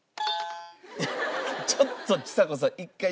ちょっとちさ子さん一回。